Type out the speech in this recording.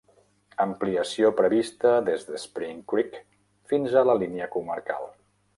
Ampliació prevista des de Spring Creek fins a la línia comarcal.